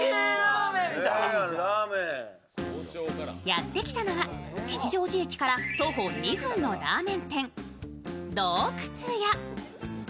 やってきたのは、吉祥寺駅から徒歩２分のラーメン店、洞くつ家。